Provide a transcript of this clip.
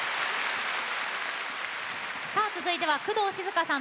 さあ続いては工藤静香さん